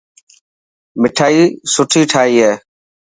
مٺائي سٺي ٺاهي هي.